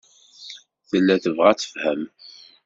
Tella tebɣa ad tefhem.